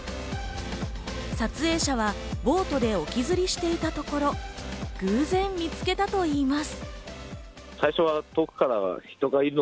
撮影者はボートで沖釣りしていたところ、偶然見つけたといいます。